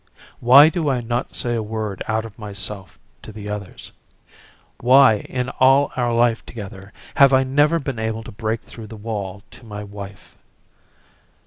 Why do I not say a word out of myself to the others? Why, in all our life together, have I never been able to break through the wall to my wife?